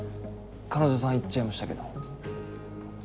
彼女さん行っちゃいましたけど。